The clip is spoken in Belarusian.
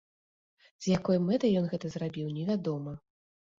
З якой мэтай ён гэта зрабіў, невядома.